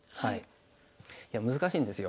いや難しいんですよ。